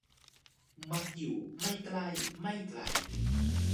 มักอยู่ไม่ใกล้ไม่ไกล